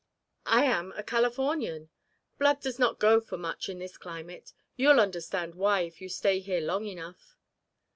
"I am a Californian. Blood does not go for much in this climate. You'll understand why, if you stay here long enough."